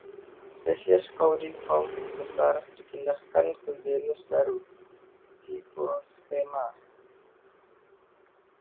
Spesies caudiciform besar dipindahkan ke genus baru "Cyphostemma".